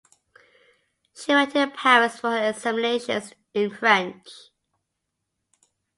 She went to Paris for her examinations in French.